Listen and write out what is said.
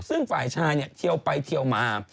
ซึ่งฝ่ายชายเนี่ยเทียวไปเทียวมา